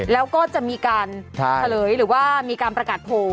แล้วก็จะมีการเฉลยหรือว่ามีการประกาศโพล